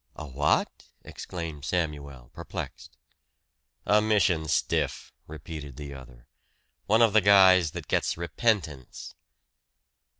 "A what?" exclaimed Samuel perplexed. "A mission stiff," repeated the other. "One of the guys that gets repentance!"